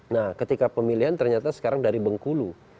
nah ketika pemilihan ternyata sekarang dari bengkulu